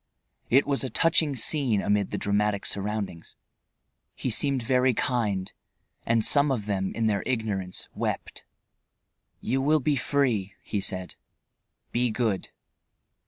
It was a touching scene, amid the dramatic surroundings. He seemed very kind, and some of them in their ignorance wept. "You will be free," he said. "Be good."